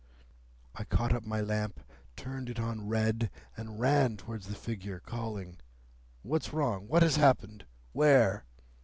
I caught up my lamp, turned it on red, and ran towards the figure, calling, 'What's wrong? What has happened? Where?